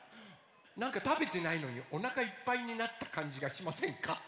なんかたべてないのにおなかいっぱいになったかんじがしませんか？